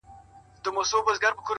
خپل ژوند د ارزښت وړ اثر وګرځوئ؛